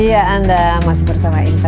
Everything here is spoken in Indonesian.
iya anda masih bersama insight